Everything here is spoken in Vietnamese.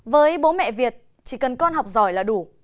với bố mẹ việt chỉ cần con học giỏi là đủ